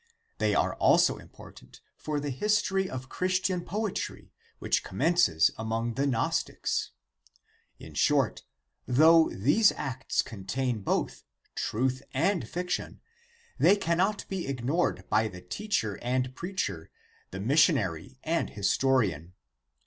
They are also important for the his tory of Christian poetry which commences among the Gnostics ; in short : though these Acts contain both " truth and fiction," they cannot be ignored by the teacher and preacher, the missionary and historian.